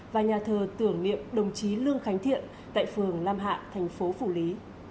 và nhà thờ tưởng niệm đồng chí lương khánh thiện tại phường lam hạ thành phố phủ lý